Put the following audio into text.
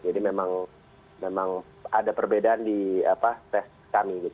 jadi memang ada perbedaan di tes kami gitu